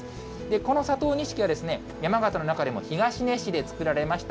この佐藤錦は山形の中でも東根市で作られました。